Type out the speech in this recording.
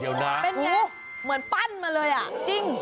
เดี๋ยวนะเป็นไงเหมือนปั้นมาเลยอ่ะจริง